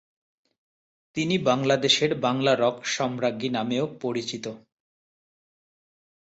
তিনি বাংলাদেশের "বাংলার রক সম্রাজ্ঞী" নামেও পরিচিত।